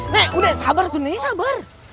nek udah sabar tuh nek sabar